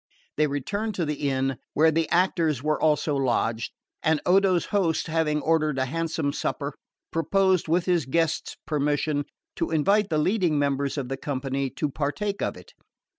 They returned to the inn, where the actors were also lodged, and Odo's host having ordered a handsome supper, proposed, with his guest's permission, to invite the leading members of the company to partake of it.